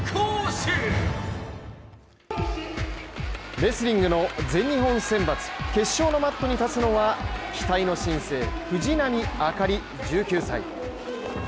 レスリングの全日本選抜決勝のマットに立つのは期待の新星・藤波朱理、１９歳。